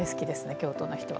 京都の人は。